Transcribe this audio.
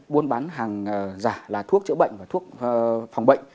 buôn bán hàng giả là thuốc chữa bệnh và thuốc phòng bệnh